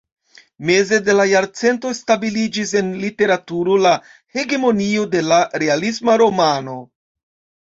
Meze de la jarcento stabiliĝis en literaturo la hegemonio de la realisma romano.